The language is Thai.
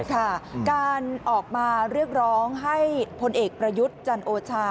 การออกมาเรียกร้องให้พลเอกประยุทธ์จันโอชา